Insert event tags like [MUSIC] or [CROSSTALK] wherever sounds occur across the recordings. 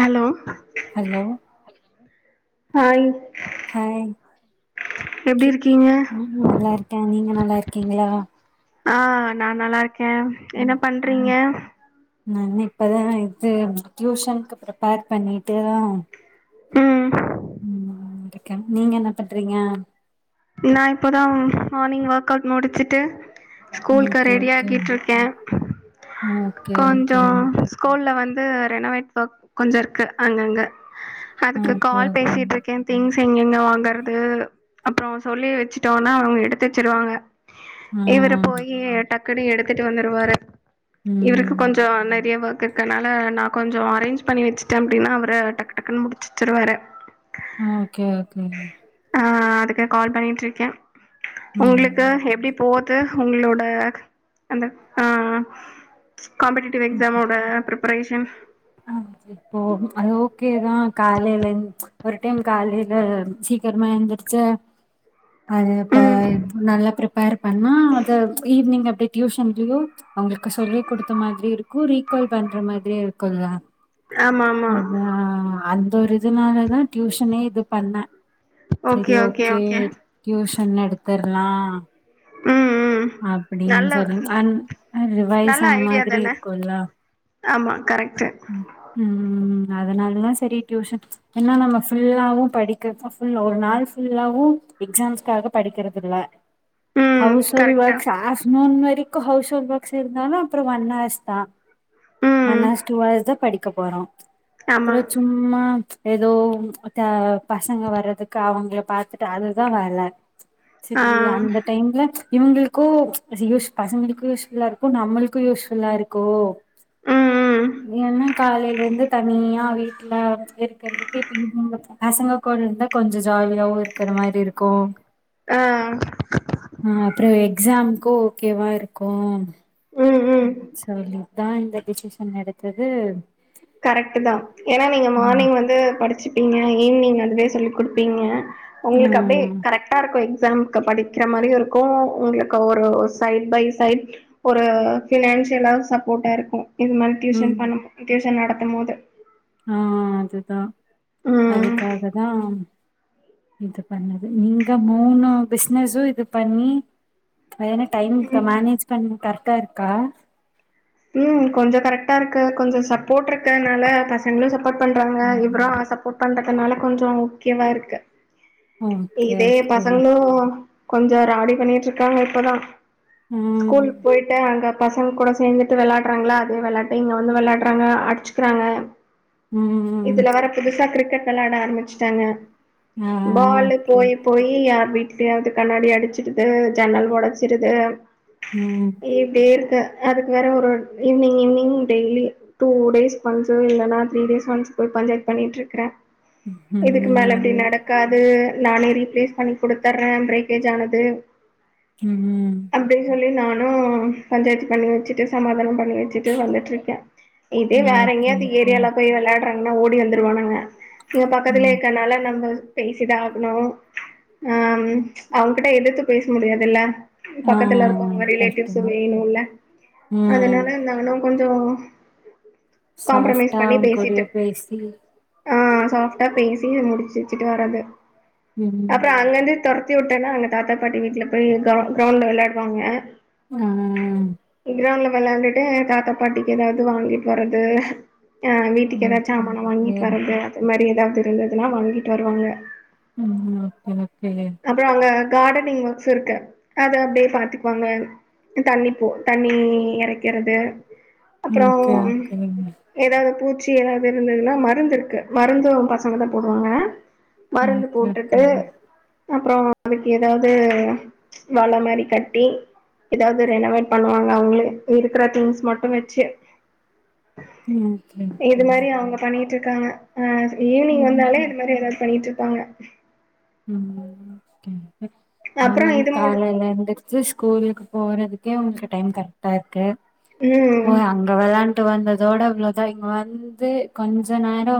Hello hello hi hi எப்டி கே இருக்கீங்க ம் நல்லாருக்கே நீங்க நல்லாருக்கீங்ளா ஆ நா நல்லாருக்க ம் ம் நான் இப்பதா இது டியூஷன்க்கு ப்ரிப்பேர் பண்ணிட்டு ம் ம் [UNINTELLIGIBLE] நீங்க என்ன பண்றீங்க நா இப்போதா மார்னிங் ஒர்க் அவுட் முடிச்சுட்டு ஸ்கூல் கு ஓகே ரேடி ஓகே ஆகிட்டுருக்க ஓகே ஓகே கொஞ்சொ ஸ்கூல்ல வந்து ரெனோவேட் ஒர்க் கொஞ்ச இருக்கு அங்கங்க அதுக்கு ஓகே கால் ஓகே பேசிட்டருக்கேன் திங்ஸ் எங்கெங்க வாங்கறது அப்ற சொல்லி வெச்சுட்டோனா அவங்க எடுத்து வெச்சிருவாங்க இவரு ம் போய் டக்குனு எடுத்துட்டு வந்துருவாரு இவருக்கு ம் கொஞ்ச நெறைய ஒர்க் இருக்கனால நா கொஞ்ச அரேஞ்ச் பண்ணி வச்சுட்டே அப்டின்னா அவரு டக்கு டக்குன்னு முடிச்சிச்சுருவாரு ஆ ஓகே ஓகே ஆ அதுக்கு கால் பண்ணிட்ருக்கே உங்ளுக்கு ம் எப்டி போது உங்களோட அந்த ஆ காம்படிட் டிவ் எக்ஸாமோட பிரப்ரேஷன் ஆ செ இப்போ அது ஓகேதா காலையில ஒரு டைம் காலையில சீக்கிரமா எந்திரிச்சு அது இப்ப ம் நல்லா ப்ரிப்பேர் பண்ணா அது ஈவினிங் அப்டி டியூஷன்லயு அவங்களுக்கு சொல்லி குடுத்த மாதிரி இருக்கு ரீகால் பண்ற மாதிரியி இருக்குல்ல ஆமா ஆமா அதா அந்த ஒரு இதுனாலதா டியூஷனே இது பண்ண செரி ஓகே டியூஷன் எடுத்தர்லா ம் ம் அப்டின் நல்ல சொல்லி அன் ரிவைஸ் நல்ல ஆன ஐடியா மாதிரி தான இருக்குல்ல ஆமா கரெக்ட்டு ம் அதனாலதா சரி டியூஷன் என்னா நம்ம ஃபுல்லாவு படிக்கப்ப ஃபுல் ஒரு நாள் ஃபுல்லாவு எக்ஸாம்ஸ்காக படிக்கிறதில்ல ம் ஹவுஸ் ஹோல் கரெக்ட்டா ஒர்க்ஸ் ஆஃப்டர்நூன் வரைக்கு ஹவுஸ் ஹோல் ஒர்க்ஸ் இருந்தாலு அப்ற ஒன்ஹார்ஸ் தா ஒன் ம் ஹார்ஸ் டூ ஹார்ஸ்தா படிக்க போறோ ஆமா அப்ற சும் ம்மா ஏதோ பசங்க க வரதுக்கு அவங்கள பாத்துட்டு அதுதா வேல ஆ செரி அந்த டைம்ல இவங்களுக்கு யூஸ் பசங்களுக்கு யூஸ் ஃபுல்லா இருக்கு நம்மளுக்கு யூஸ் ஃபுல்லா இருக்கு ம் ஏன்னா காலையில இருந்து தனியா வீட்ல வந்து இருக்கிறதுக்கு இப்ப இவுங்க பசங்க கோட இருந்தா கொஞ்ச ஜாலியாவு இருக்கற மாரி இருக்கு ஆ ஆ அப்ற எக்ஸாம்க்கு ஓகேவா இருக்கு ம் ம் சொல்லிதா இந்த டிசிஷன் எடுத்தது கரெக்ட்டுதா ஏன்னா நீங்க ம் மார்னிங் வந்து படிச்சுப்பிங்க ஈவ்னிங் வந்து சொல்லி குடுப்பிங்க ஆ உங்களுக்கு அப்டே கரெக்ட்டா இருக்கு எக்ஸாம் க்கு படிக்ற மாரி இருக்கு உங்களுக்கு ஒரு சைட் பை சைட் ஒரு ஃபினான்சியலாவு சப்போட்டா இருக்கு இது மாரி டியூஷன் ம் பண்ண டியூஷன் நடத்தும் போது ஆ அதுதா ம் அதுக்காகதா இது பண்ணது நீங்க மூனு பிசினஸு இது பண்ணி பயன டைம்க்கு மேனேஜ் பண்ண கரெட்டா இருக்கா ம் கொஞ்ச கரெக்டா இருக்கு கொஞ்ச சப்போட் இருக்கனால ப சங்களு சப்போட் பண்றாங்க ஆமா இவரு சப்போட் பண்றதுனால கொஞ்ச ஓகேவா இருக்கு ஓகே இதே ஓகே பசங்களு கொஞ்ச ராவடி பண்ணிட்ருக்காங்க இப்பதா ஸ்கூலுக் ம் போயிட்டு அங்க பசங்க கூட சேந்து வெளாட்றாங்ளா அதே வெளாட்ட இங்க வந்து வெளாட்றாங்க அடிச்சுக்குறாங்க ம் இதுல வேற புதுசா கிரிக்கெட் வெளாட ஆரம்பிச்சிட்டாங்க ஆ பாலு ஓகே போய் போய் யார் வீட்லயாவது கண்ணாடி அடிச்சிருது ஜன்னல் ஒடச்சிருது ம் இப்டே இருக்கு அதுக்கு வேற ஒரு evening evening daily two days once இல்லனா த்ரீ டேஸ் ஒன்ஸ் போய் பஞ்சாய்த் பண்ணிட்ருக்க இதுக்கு ம் மேல அப்டி அது நடக் காது நானே ரீப்ளேஸ் பண்ணி குடுத்தற்ற பிரேக்கேஜ் ஆனது ம் ம் அப்டின் சொல்லி நானு பஞ்சாயத்து பண்ணி வச்சிட்டு சமாதான பண்ணி வச்சுட்டு வந்துட்ருக்க இதே வேற ஓகே எங்கயாது ஓகே ஏரியால போய் வெளாட்றாங்கனா ஓடி வந்துருவானுங்க இங்க ம் பக்கத்துலே இருக்கனாலா நம்ப பேசிதா ஆவ்ணு ஆ அவன்கிட்ட எதித்து பேச முடியாதுல்ல ஆ பக்கத்துல இருக்கவுங்க ரிலேட்டிவ்ஸ் கரெக்ட்டுதா வேணுல ம் அதனால நானு கொஞ்சோ காம்ப்ரமைஸ் சாஃப்டா பண்ணி அவுங் பேசிட்டு கூடயே பேசி ஆ சாஃப்டா பேசி முடிச்செச்சுட்டு வரது அப்ற ம் அங்கந்து தொர் த்தி வுட்டனா அங்க தாத்தா பாட்டி வீட்ல போய் கௌ கிரௌண்ட்ல வெளாட்வாங்க ம் கிரவுண்ட்ல விளாண்டுட்டு தாத்தா பாட்டிக்கு எதாவ்து வாங்கிட்வறது ஆ வீட்டுக்கு எதாச்சு ஓகே ஜாமான ஓகே வாங்கிட்டு வறது அது மாரி எதாவ்து இருந்துதுனா வாங்கிட்டு வருவாங்க ம் ஓகே ஓகேங்க அப்ற அங்க கார்டனிங் ஒர்க்ஸு இருக்கு அத அப்டே பாத்துபாங்க தண்ணிப் பூ தண்ணி எறைக்கிறது அப்றோ ஓகே ஓகேங்க எதாவது பூச்சி ஏதாவது இருந்துதுனா மருந்திருக்கு மருந்து பசங்க தா போடுவாங்க மருந்து ஓகே போட்டுட்டு ஓகேங்க அப்றோ அதுக்கு எதாவ்து வல மாரி கட்டி எதாவ்து ரெனவட் பண்ணுவாங்க அவுங்ளே இருக்கிற திங்ஸ் மட்டு வெச்சு ஓகே இது ஓகே மாரி அவுங்க பண்ணிட் இருக்காங்க ஆ ஈவினிங் வந்தாலே ம் இது மாரி எதாவ்து பண்ணிட்ருப்பாங்க ம் ஓகே அப்புறம் இவங்கெங்க இது மூடு காலைலேந்து ந்து ஸ்கூலுக்கு போறதுக்கே அவுங்ளுக் டைம் கரெக்டா இருக்கு போ ம். அங்க வெளாண்டுட்டு வந்ததோட இவ்ளோ தா இங் வந்து கொஞ்ச நேரோ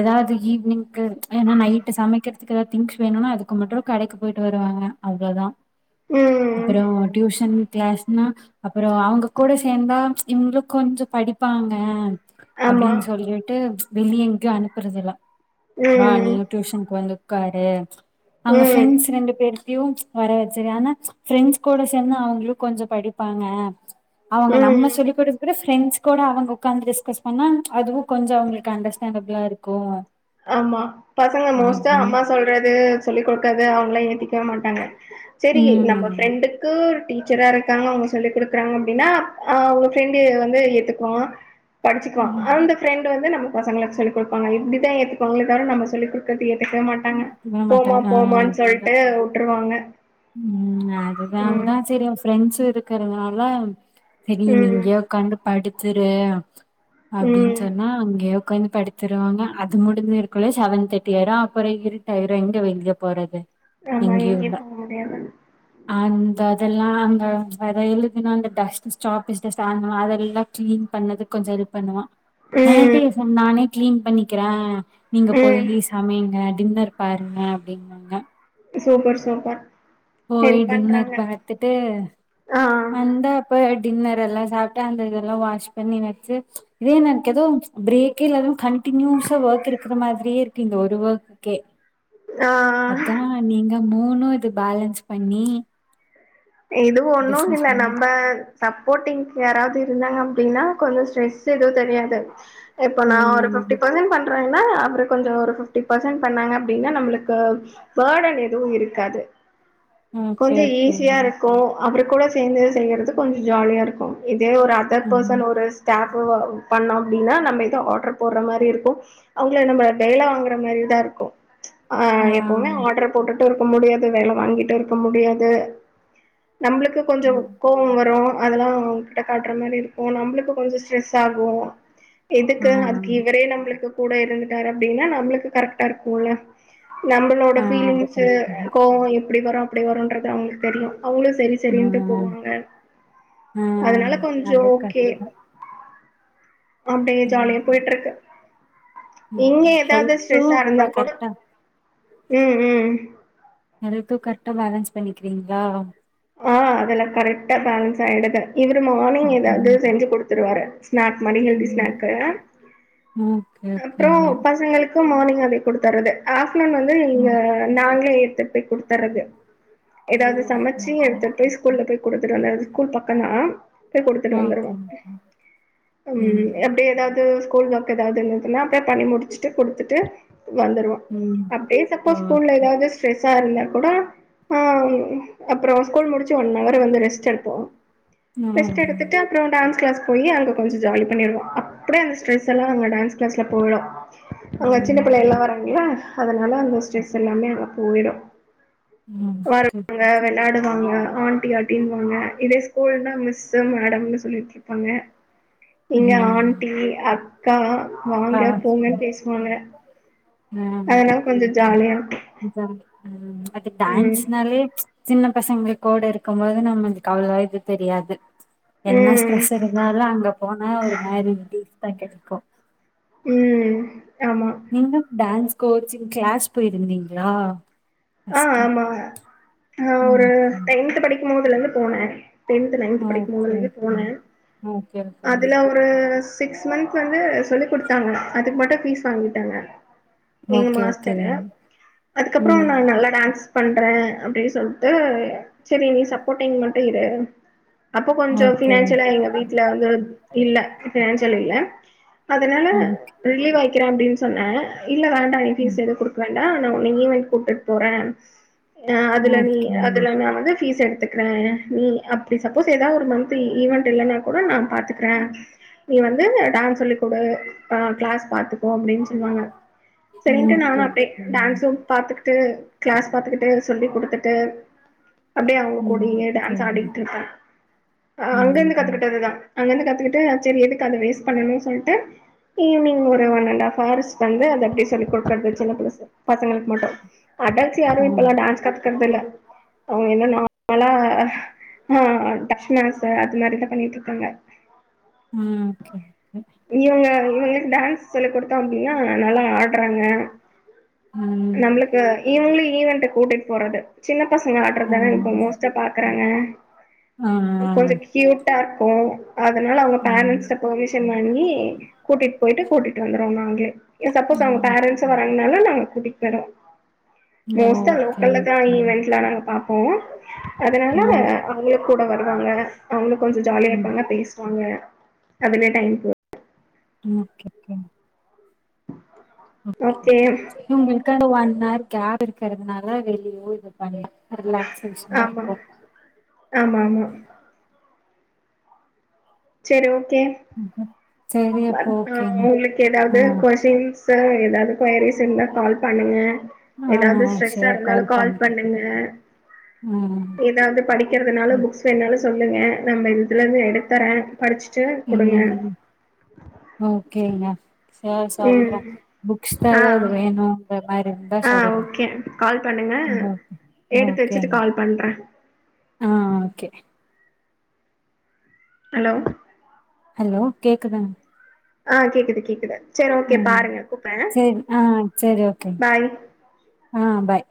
எதாவ்து ஈவ்னிங்கு ஏனா நைட்டு் சமைக்கற்துக்கு திங்ஸ் வேணுனா அதுக்கு மட்டு கடைக்கு போயிட்டு வருவாங்க அவ்ளோ தா ம் அப்புற டியூஷன் கிளாஸ் நா அப்பற அவுங்க கூட சேந்தா இவுங்ளு கொஞ்ச படிப்பாங்க ஆமா. அப்டின் சொல்லிட்டு வெளிய எங்கியு அனுப்புறது இல்ல வா நீ ம். டியூஷனுக்கு வந்து உக்காரு அங்க ம். ஃப்ரெண்ட்ஸ் ரெண்டு பேர் டியுப்ஸ் வர வச்சுறுவ ஆனா ப்ரெண்ட்ஸ் கூட சேந்த அவுங்ளு கொஞ்ச படிப்பாங்க அவுங்க நம்ம ம். சொல்லி குடு அப்பற ஃப்ரெண்ட்ஸ் கூட அவங்க உக்காந்து டிஸ்கஸ் பண்ணா அதுவு கொஞ்ச அவுங்களுக் அண்டர்ஸ்டாண்டபிளா இருக்கு ஆமா பசங்க மோஸ்ட்டா அம்மா சொல்றது சொல்லிக்‌ குடுக்கற்து அவுங்லா ஏத்திக்கவே மாட்டாங்க செரி நம்ம உம் ஃப்ரெண்டுக்கு ஒரு டீச்சரா இருக்காங்க அவுங்க சொல்லி குடுக்குறாங்க அப்டின்னா அவுங்க ஃப்ரெண்டு வந்து ஏத்துக்குவா படிச்சிக்குவ உம் அந்த ஃப்ரெண்ட் வந்து நம்ப பசங்களுக்கு சொல்லி கொடுப்பாங்க இப்டிதா ஏத்துபாங்களே தவர நம்ம சொல்லிக் கு தட் ஏத்துக்கவே மாட்டாங்க விட போமா மாட்டாங்க போமான் ஆஹ் சொல்ட்டு வுட்ருவாங்க ம் அதனால தா செரி ஃப்ரெண்ட்ஸூ இருக்கறனால செரி நீ ம். இங்கயே உக்காந்து படுச்சிரு அப்டின் ம். சொன்னா அங்கய உக்காந்து படு ச்சிருவாங்க அது முடிஞ்ச இருக்குள்ளயு செவன் தேட்டி ஆயிரு அப்பற இருட்டு ஆயிரு எங்க வெளிய போறது ஆமா எங்கயு எங்கேயு இல்ல போக முடியாது அந்த அதெல்லா அந்த எழுதினா அந்த டெஸ்ட் சாக்பீஸ் டெஸ்ட் ஆ அதெல்லா கிளீன் பண்ணது கொஞ்ச இது பண்ணுவா ம். ஆன்ட்டி நானே கிளீன் பண்ணிக்கிறே நீங்க போய் ம் சமைங்க டின்னர் பாருங்க அப்டிங்வாங்க சூப்பர் சூப்பர் போய் ஹெல்ப் டின்னர் பண்றாங்க பாத்துட்டு ஆ வந்தா ப்ப டின்னர் எல்லா சாப்ட்ட அந்த இதெல்லா வாஷ் பண்ணி வச்சு இதே என எனக்கு எதோ பிரேக்கே இல்லாம கண்டினியூஸா ஒர்க் இருக்கிற மாதிரியே இருக்கு இந்த ஒரு ஒர்க்குக்கே ஆ அதா நீங்க மூனு இது பேலன்ஸ் பண்ணி இதுவு ஒன்னு பிசினஸ் இல்ல மூணு நம்ப சப்போர்ட்டிங் யாராவது இருந்தாங்க அப்டின்னா கொஞ்சம் ஸ்ட்ரெஸ் எதுவு தெரியாது இப்ப நா ஒரு பிஃப்டி ம் பர்சன் பண் அப்பறன்னா அவரு கொஞ்ச ஒரு பிஃப்டி பர்சன் பண்ணாங்க அப்டின்னா நம்ளுக்கு பேர்டன் எதுவும் இருக்காது ஓகே கொஞ்ச ஓகே ஈஸியா இருக்கும் அவருக்கூட சேர்ந்து செய்யறது கொஞ்ச ஜாலியா இருக்கும் இதே ஒரு அதர் ம் பர்சன் ஒரு டாக் ஓவர் பண்ணோ அப்டின்னா நம்ம எதோ ஆர்டர் போட்ற மாரி இருக்கும் அவுங்கள நம்ம வேல வாங்குற மாதிரிதா இருக்கும் ஆ எப்பவுமே ஆர்டர் போட்டுட்டு இருக்க முடியாது வேல வாங்கிட்டு இருக் க முடியாது நம்மளுக்கு கொஞ்ச கோவம் வரும் அதெல்லா அவங்ககிட்ட காட்ற மாரி இருக்கும் நம்ளுக்கு கொஞ்ச ஸ்ட்ரெஸ் ஆகும் ஆ எதுக்கு அதுக்கு இவரே நம்மளுக்கு கூட இருந்துட்டாரு அப்டின்னா நம்ளுக்கு கரெக்ட்டா இருக்கு இல்லயா நம்மளோட ஆ அது பீலிங்ஸூ கரெக்ட் தா கோவம் இப்டி வரும் அப்டி வரும்ன்றது அவங்களுக்கு தெரியு அவங்களு செரி செரின்ட்டு ம் போவாங்க ம் அதனால கொஞ்ச அது ஓகே கரெக்ட் தா அப்டியே ஜாலியா ம் போயிட்ருக்கு இங்க ம் எதாவது ஹெல்த்து ஸ்ட்ரெஸ்ஸா இருந்தா கூட கரெக்டா ம் ம் அதுக்கும் கரெக்டா பேலன்ஸ் பண்ணிக்கிறீங்களா ஆ அதெல்லா கரெக்டா பேலன்ஸ் ஆயிடுது இவரு மார்னிங் எதாவது ம் செஞ்சு குடுத்துருவாரு ஸ்நாக் மாரி ஹெல்தி ம் ஸ்நாக்கு ஓகே அப்றொ ஓகேங்க. பசங்களுக்கு மார்னிங் அதே குடுத்தர்றது ஆப்டர்நூன் வந்து இங்க ம். நாங்களே ஏத்துட் போய் குடுத்தர்றது ம் எடுத்து போய் ஸ்கூல்ல போய் குடுத்துட்டு வந்தர்றது ஸ்கூல் பக்கம் தா போய் குடுத்துட்டு வந்துருவே ஓகே. ம் அப்டி எதாவது ஸ்கூல் வொக் எதாவது இருந்ததுன்னா அப்டியே பண்ணி முடிச்சுட்டு குடுத்துட்டு வந்துருவே ம். அப்டியே சப்போஸ் ஸ்கூல்ல ஓகே. எதாவது ஸ்ட்ரெஸ்ஸா இருந்தா கூடொ ஆ அப்பறொ ஸ்கூல் முடிச்சு ஒன் அவர் வந்து ரெஸ்ட் எடுபோ ஆ. ரெஸ்ட் எடுத்து ட்டு அப்பற டான்ஸ் கிளாஸ் போயி அங்க கொஞ்ச ஜாலி பண்ணிருவா அப்டியே அந்த ஸ்ட்ரெஸ் எல்லா அங்க டான்ஸ் கிளாஸ்ல போயிடு அங்க சின்ன புள்ள ம். எல்லா வர்றாங்களா அதனால அந்த ஸ்டெரஸ் எல்லாமே அங்க போய்டு அதுக்கு வெளயாடுவாங்க ஆன்ட்டி ஆன்ட்டினு வாங்க இதே ஸ்கூல்னா மிஸ்ஸூ மேடம்னு சொல்லி ப்பாங்க இங்க ம். ஆண்ட்டி அக்கா வாங்க ஆ. போங்கன் பேசுவாங்க அதனால் கொஞ்சோ ஜாலியாருக்கூ இதா ம் அது டான்ஸ்னாலே சின்ன பசங்கள் கோட இருக்கும்போது நம்ம இந்து கவல இது தெரியாது என்ன ம் ஸ்ஃபிரஷர் இருந்தாலு அங்க போனா ஒரு மாரிவ பீஸ் தா கெடைக்கோ ம் ஆமா நீங்க டான்ஸ் கோச்சிங் க்ளாஸ் போயிருந்தீங்களா ஆ ஃபர்ஸ்ட்டு. ஆமா நா ஒரு ம். டென்த்து படிக்கும் போதுல இருந்து போனே டென்த்து நைன்த்து படிக்கும்போதுல ஓகே இருந்து போனே ஓகே ஓகே அதுல வ ந்து சிக்ஸ் மந்த்ஸ் வந்து சொல்லி குடுத்தாங்க அதுக்கு மட்டு ஃபீஸ் வாங்கிட்டாங்க எங்க ஓகே ஓகே ஓகே மாஸ்டரு அதுக்கப்புறோ ம் நா நல்லா டான்ஸ் பண்ற அப்டின் சொல்ட்டு செரி நீ சப்போட்டிங் மட்டு இரு அப்ப கொஞ்சோ ஓகே ஃபினான்சியலா எங்க வீட்ல வந்து இல்ல பினான்சியல் இல்ல அதுனால ஓகே ரிலீவாய்க்கிறே அப்டின் சொன்னே இல்ல வேண்டா நீ ம் பீஸ் எது குடு க்கண்டா நா ஒன்ன ஈவென் கூட்டுட் போறே அதுல நீ ஓகே அதுல நா வந்து ஃபீஸ் எடுத்துக் க்ற நீ அப்டி சப்போஸ் ஏதா ஒரு மந்த்து ஈவென்ட் இல்லன்னா கூட நா பாத்துக்ற நீ வந்து டான் சொல்லி குடு ஆ க்ளாஸ் பாத்துக்கோ அப்டின் சொன்னாங்க சென்ட்டு நானு ஓகே அப்டே டான்ஸும் பாத்துக்குட்டு க்ளாஸ் பாத்துக்குட்டு சொல்லி குடுத்துட்டு அப்டியே அவங்க ம் கூடியே ஓகே டான்ஸ் ஆடிக்கிட்ருப்ப அ அங்கருந்து ம் கத்துக்கிட்டதுதா அங்கருந்து கத்துக்கிட்டு சரி எதுக்கு அத வேஸ்ட் பண்ணணு சொல்ட்டு ஈவினிங் ஒரு ஒன் அண்ட் ஹாஃப் ஹார்ஸ் வந்து அது அப்டி சொல்லி குடுக்கறது சின்ன ப்ளசு பசங்களுக்கு மட்டு அடல்ட்ஸ் யாரு இப்ப ம் எல்லா டான்ஸ் கத்துக்கறது இல்ல அவங்க இன்னு நார்மலா ஆ டப்ஸ்மாசு அது மாரிதா பண்ணிட்ருக்காங்க ம் ஓக்கே இவங்க இவங்களுக்கு டான்ஸ் சொல்லி குடுத்தம் அப்டின்னா நல்லா ஆடுறாங்க ம் நம்ளுக்கு இவங்களியு ஈவன்ட்டு கூட்டிட் போறது சின்ன பசங்க ஆ ஆடுறதானே இப்ப மோஸ்ட்டா பாக் குறாங்க ஆ ஆ கொஞ்சோ க்யூட்டா இருக்கோ அதனால அவங்க ஆ பேரண்ஸ்ட்ட பெர்மிஷன் வா ங்கி கூட்டிட் போயிட்டு கூட்டிட் வந்துருவோ நாங்களே இல்ல சப்போஸ் அவங்க ம் பேரண்ஸ் ஓகே வரேன்னாலு நாங்க கூட்டிட் போய்டுவோ மோஸ்டா லோக்கல்ல தா ஓகே ஈவென்ட்லா நாங்க பாப் போ அதனால ஓ அவங்களு கூட வருவாங்க அவங்களு கொஞ்சோ ஜாலியா ம் இருப்பாங்க பேசு வாங்க அதுலே டைம் போ ஓக்கேகே ஓக்கே இவுங்களுக்கு அந்த ஒன்னார் கேர் இருக்கறதனால வெளியே ஒ தானே ஒரு ரிலாக்ஸ்சேஷன் மாருக்கூ ஆமாமா செரி ஓக்கே ம் ம் நக்கு உங்களுக்கு ஆ, எதாவ்து கொஷின்ஸ் சா எதாவ்து கொயரிஸ் இருந்தா கால் பண்ணுங்க ஆ எதாது ஸ்ட்ரெஸ்ஸா சரி இருந்தாலு கால் பண்றேன். பண்ணுங்க ம், எதாது படி க்கிறதுனாளு ம், புக்ஸ் வேணாலு சொல்லுங்க நம்ம இதுலேருந்து எடுத்தரே படிச்சுட்டு குடுங்க ஓக்கேங்க ச ம் சொல்றே புக்ஸ் ஆ தாங்க வேணூ வேற மாறி ஆ சொல்றேன் ஓகே கால் பண்ணுங்க ம் எடுத்து வச்சுட்டு ஓகேங்க கால் பண்றேன் ஆ ஆ ஓகே ஹலோ ஹலோ கேக்குதா ஆ கேக்குது கேக்குது சரி ஓகே ம் பாருங்க கூப்பிடுறேன் செரி ஆ செரி ஓகே பாய் ஆ பாய்